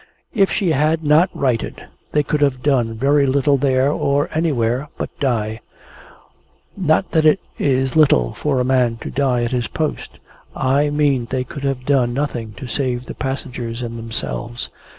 If she had not righted, they could have done very little there or anywhere but die not that it is little for a man to die at his post I mean they could have done nothing to save the passengers and themselves.